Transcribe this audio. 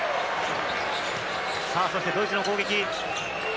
そしてドイツの攻撃。